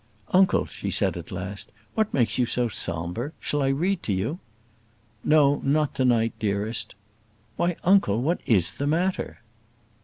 "Uncle," she said at last, "what makes you so sombre? Shall I read to you?" "No; not to night, dearest." "Why, uncle; what is the matter?"